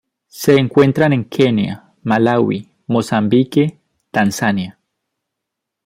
Se encuentran en Kenia, Malaui, Mozambique, Tanzania.